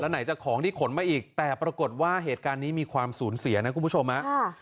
ไหนจะของที่ขนมาอีกแต่ปรากฏว่าเหตุการณ์นี้มีความสูญเสียนะคุณผู้ชมฮะ